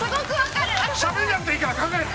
しゃべんなくていいから考えろ。